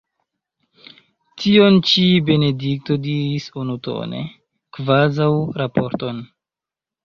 Tion ĉi Benedikto diris unutone, kvazaŭ raporton.